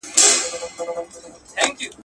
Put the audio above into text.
میاشتي ووتې طوطي هسی ګونګی وو.